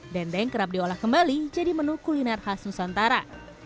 dendeng kerap diolah kembali jadi menu kuliner khas nusantara